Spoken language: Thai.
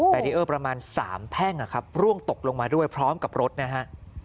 ดีเออร์ประมาณ๓แท่งนะครับร่วงตกลงมาด้วยพร้อมกับรถนะฮะ